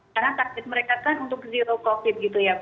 karena takdir mereka kan untuk zero covid gitu ya